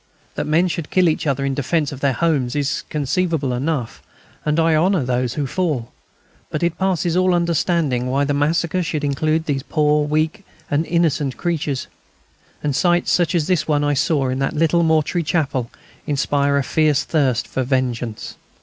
That men should kill each other in defence of their homes is conceivable enough, and I honour those who fall. But it passes all understanding why the massacre should include these poor weak and innocent creatures. And sights such as the one I saw in that little mortuary chapel inspire a fierce thirst for vengeance.